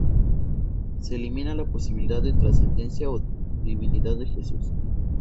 Se elimina la posibilidad de trascendencia o divinidad de Jesús.